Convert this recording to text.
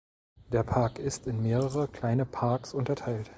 Der Park ist in mehrere kleine Parks unterteilt.